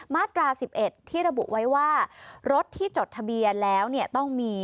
มาตรา๑๑ที่ระบุไว้ว่ารถที่จดทะเบียนแล้วต้องมี